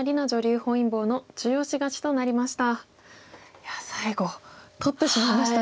いや最後取ってしまいましたね。